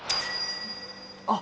あっ！